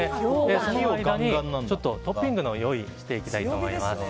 その間に、トッピングの用意をしていきたいと思います。